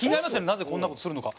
なぜこんな事をするのか。